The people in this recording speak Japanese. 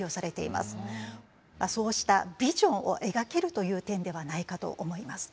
そうしたビジョンを描けるという点ではないかと思います。